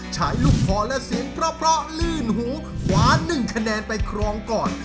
ใช้ลูกคอและเสียงเพราะลื่นหูขวา๑คะแนนไปครองก่อน